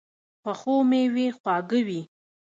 پخو مېوې خواږه وي